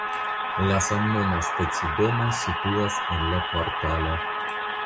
La samnoma stacidomo situas en la kvartalo.